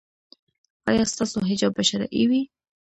ایا ستاسو حجاب به شرعي وي؟